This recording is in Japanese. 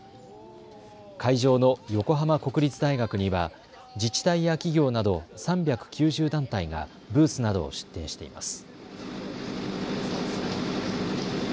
会場の横浜国立大学には自治体や企業など３９０団体がブースなどを出展しています。